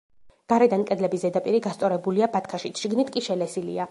გარედან კედლების ზედაპირი, გასწორებულია ბათქაშით, შიგნით კი შელესილია.